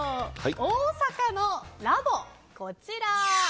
大阪の“ラボ”、こちら。